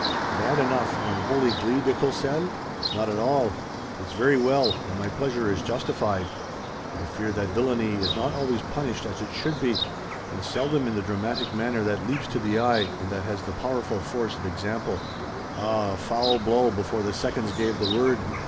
"'Bad enough' and 'unholy glee,' de Courcelles! Not at all! It's very well, and my pleasure is justified. I fear that villany is not always punished as it should be, and seldom in the dramatic manner that leaps to the eye and that has the powerful force of example. Ah, a foul blow before the seconds gave the word!